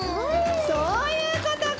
そういうことか！